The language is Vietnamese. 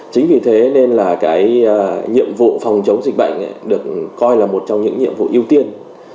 chính vì thế nên là cái nhiệm vụ phòng chống dịch bệnh được coi là một trong những nhiệm vụ ưu tiên